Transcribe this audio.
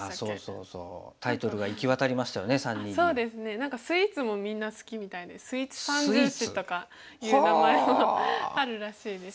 何かスイーツもみんな好きみたいでスイーツ三銃士とかいう名前もあるらしいです。